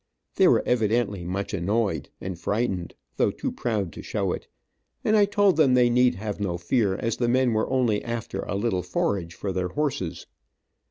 They were evidently much annoyed and frightened, though too proud to show it, and I told them they need have no fear, as the men were only after a little forage for their horses.